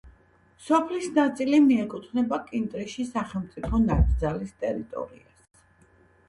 სოფლის ნაწილი მიეკუთვნება კინტრიშის სახელმწიფო ნაკრძალის ტერიტორიას.